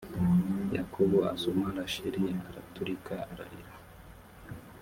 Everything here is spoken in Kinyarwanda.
yakobo asoma rasheli araturika ararira